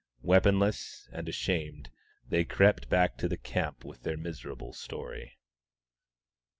Weaponless and ashamed, they crept back to the camp with their miserable story.